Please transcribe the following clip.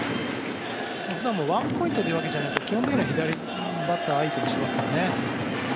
普段もワンポイントというわけじゃなくて基本的には左バッターを相手にしますからね。